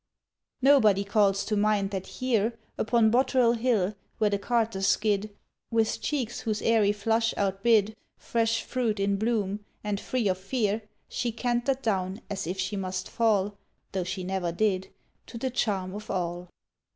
Nobody calls to mind that here Upon Boterel Hill, where the carters skid, With cheeks whose airy flush outbid Fresh fruit in bloom, and free of fear, She cantered down, as if she must fall (Though she never did), To the charm of all.